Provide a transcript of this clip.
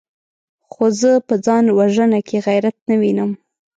خو زه په ځان وژنه کې غيرت نه وينم!